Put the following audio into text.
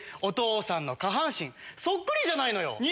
お父さんの下半身そっくりじゃないのよ。